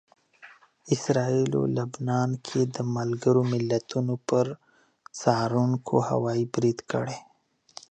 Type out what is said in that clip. اسراییلو لبنان کې د ملګرو ملتونو پر څارونکو هوايي برید کړی